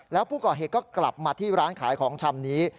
แล้วผู้ก่อเหตุก็กลับมาที่ร้านขายของชำนี้